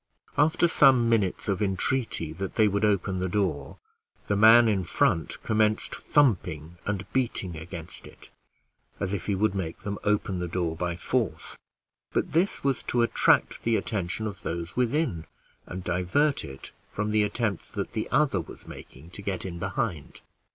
After some minutes of entreaty that they would open the door, the man in front commenced thumping and beating against it, as if he would make them open the door by force; but this was to attract the attention of those within, and divert it from the attempts that the other was making to get in behind.